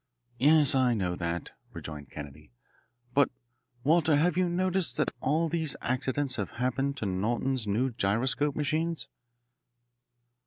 "Yes, I know that," rejoined Kennedy; "but, Walter, have you noticed that all these accidents have happened to Norton's new gyroscope machines?"